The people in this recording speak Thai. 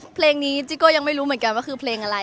เพลงนี้จิโก้ยังไม่รู้เหมือนกันว่าคือเพลงอะไร